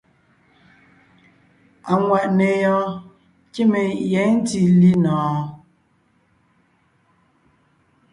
Aŋwàʼne yɔɔn kíme yɛ̌ ntí linɔ̀ɔn?